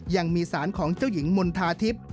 ยังมีสารของเจ้าหญิงมณฑาทิพย์